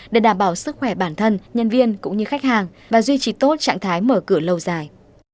để đảm bảo sức khỏe bản thân nhân viên cũng như khách hàng và duy trì tốt trạng thái mở cửa lâu dài